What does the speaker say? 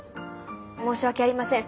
申し訳ありません。